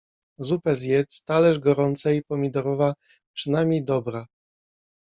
Zupę zjedz, talerz gorącej, pomidorowa, przynajmniej dobra.